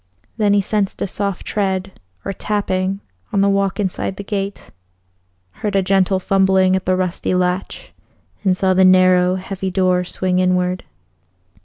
Then he sensed a soft tread or tapping on the walk inside the gate, heard a gentle fumbling at the rusty latch, and saw the narrow, heavy door swing inward.